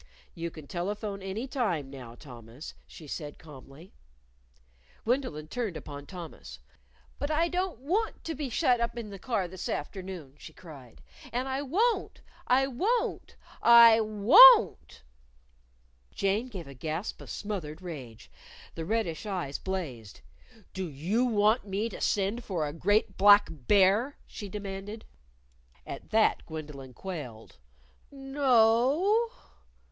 "You can telephone any time now, Thomas," she said calmly. Gwendolyn turned upon Thomas. "But I don't want to be shut up in the car this afternoon," she cried. "And I won't! I won't! I WON'T!" Jane gave a gasp of smothered rage. The reddish eyes blazed. "Do you want me to send for a great black bear?" she demanded. At that Gwendolyn quailed. "No o o!"